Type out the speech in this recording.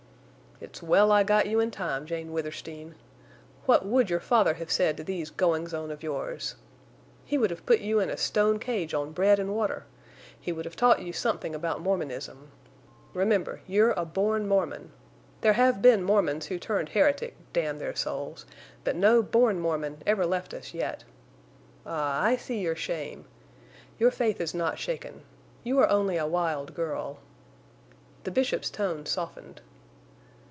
"It's well I got you in time, Jane Withersteen. What would your father have said to these goings on of yours? He would have put you in a stone cage on bread and water. He would have taught you something about Mormonism. Remember, you're a born Mormon. There have been Mormons who turned heretic—damn their souls!—but no born Mormon ever left us yet. Ah, I see your shame. Your faith is not shaken. You are only a wild girl." The Bishop's tone softened.